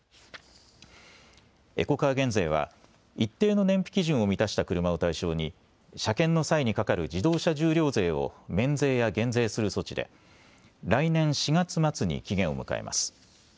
エコカー減税は一定の燃費基準を満たした車を対象に車検の際にかかる自動車重量税を免税や減税する措置で来年４月末に期限を迎えます。